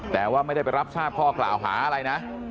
แต่ว่าไม่ได้ไปรับทราบข้อกล่าวหาอะไรนะ